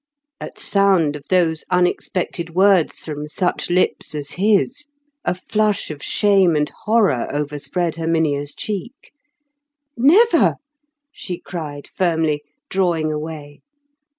At sound of those unexpected words from such lips as his, a flush of shame and horror overspread Herminia's cheek. "Never!" she cried firmly, drawing away.